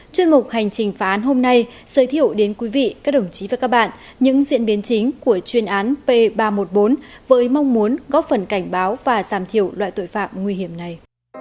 chuyên mục hành trình phá án hôm nay giới thiệu đến quý vị các đồng chí và các bạn những diễn biến chính của chuyên án p ba trăm một mươi bốn với mong muốn góp phần cảnh báo và giảm thiểu loại tội phạm nguy hiểm này